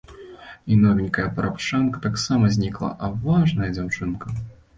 І новенькая парабчанка таксама знікла, а важная дзяўчынка!